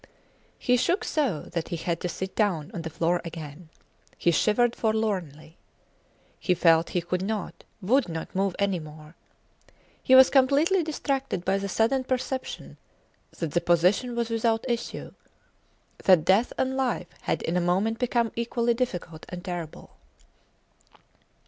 He shook so that he had to sit down on the floor again. He shivered forlornly. He felt he could not, would not move any more. He was completely distracted by the sudden perception that the position was without issue that death and life had in a moment become equally difficult and terrible.